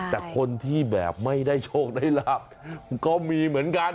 แต่คนที่แบบไม่ได้โชคได้ลาบก็มีเหมือนกัน